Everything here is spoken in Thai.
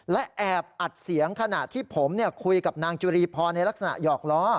และแอบอัดเสียงขณะที่ผมคุยกับนางจุรีพรในลักษณะหยอกล้อ